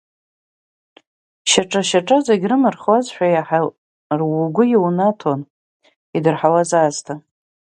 Шьаҿа-шьаҿа зегь рымырхуазшәа иаҳа угәы иунаҭон, идырҳауаз аасҭа.